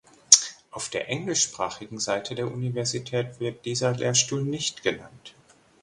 Auf der englischsprachigen Seite der Universität wird dieser Lehrstuhl nicht genannt.